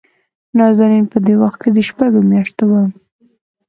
نازنين په دې وخت کې دشپږو مياشتو وه.